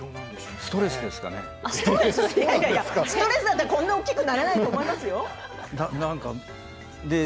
ストレスだったらこんなに大きくならないと思いますよ。